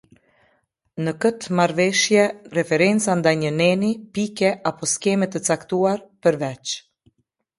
Në këtë Marrëveshje, referenca ndaj një neni, pike apo Skeme të caktuar, përveç.